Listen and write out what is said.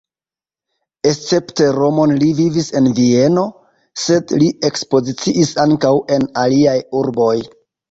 Escepte Romon li vivis en Vieno, sed li ekspoziciis ankaŭ en aliaj urboj.